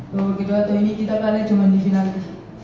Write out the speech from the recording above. lalu ketika ini kita kalah cuma di penalti